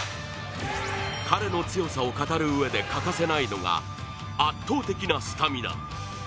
彼の強さを語る上で欠かせないのが、圧倒的なスタミナ。